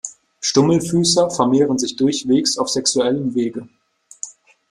Stummelfüßer vermehren sich durchwegs auf sexuellem Wege.